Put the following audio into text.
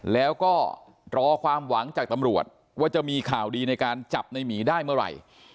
แล้วก็รอความหวังจากตำรวจว่าจะมีข่าวดีในการจับในหมีได้เมื่อไหร่